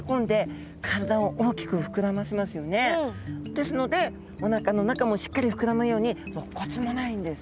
ですのでおなかの中もしっかり膨らむようにろっ骨もないんです。